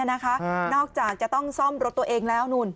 นอกจากจะต้องซ่อมรถตัวเองแล้วนู่น